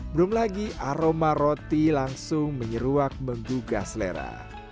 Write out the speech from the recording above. belum lagi aroma roti langsung menyeruak menggugah selera